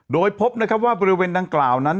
โดยพบนะครับว่าบริเวณดังกล่าวนั้น